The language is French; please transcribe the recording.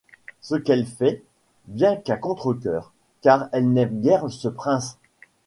Ce qu'elle fait, bien qu'à contre-cœur, car elle n'aime guère ce Prince.